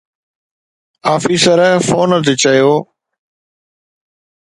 officer phone تي چيو